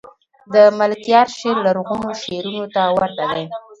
دملکیار شعر لرغونو شعرونو ته ورته دﺉ.